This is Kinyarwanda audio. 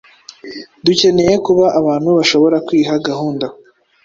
Dukeneye kuba abantu bashobora kwiha gahunda .